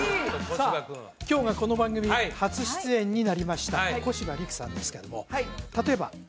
さあ今日がこの番組初出演になりました小柴陸さんですけども例えばどんなような